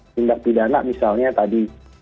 tindak pidana misalnya tadi